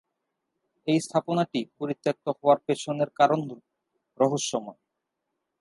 এই স্থাপনাটি পরিত্যক্ত হওয়ার পেছনের কারণ রুহস্যময়।